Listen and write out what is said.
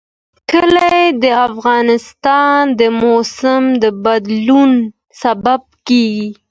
کلي د افغانستان د موسم د بدلون سبب کېږي.